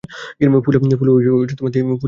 ফুলে ও তিনটা করে পাপড়ি থাকে।